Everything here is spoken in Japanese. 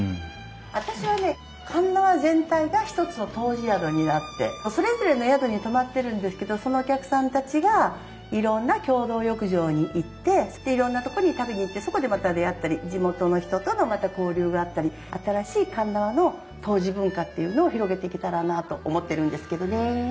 私はね鉄輪全体が一つの湯治宿になってそれぞれの宿に泊まってるんですけどそのお客さんたちがいろんな共同浴場に行ってでいろんなとこに食べに行ってそこでまた出会ったり地元の人との交流があったり新しい鉄輪の湯治文化っていうのを広げていけたらなあと思ってるんですけどねえ。